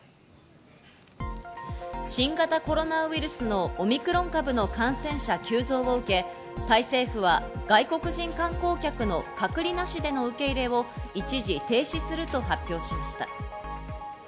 新型コロナウイルスのオミクロン株の感染者急増を受け、タイ政府は外国人観光客の隔離なしでの受け入れを一時停止すると発表しました。